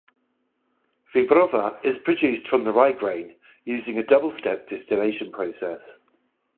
Wyborowa is produced from rye grain, using a double-step distillation process.